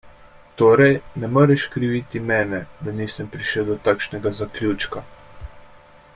Torej, ne moreš kriviti mene, da nisem prišel do takšnega zaključka.